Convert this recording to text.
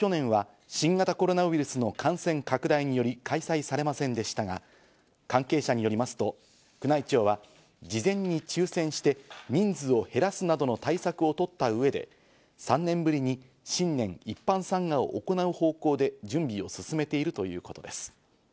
今年と去年は新型コロナウイルスの感染拡大により開催されませんでしたが、関係者によりますと宮内庁は事前に抽選して、人数を減らすなどの対策をとった上で３年ぶりに新年一般参賀を行う方向で準備を進めているということです。